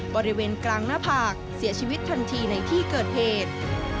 บริเวณกลางหน้าผากเสียชีวิตทันทีในที่เกิดเหตุ